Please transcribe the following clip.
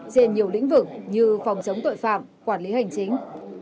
trên nhiều lĩnh vực như phòng chống tội phạm quản lý hành chính